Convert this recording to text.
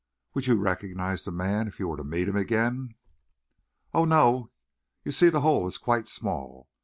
"Would you recognise the man, if you were to meet him again?" "Oh, no; you see the hole is quite small.